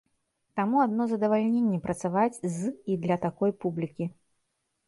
Таму адно задавальненне працаваць з і для такой публікі.